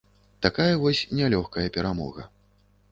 Такая вось нялёгкая перамога.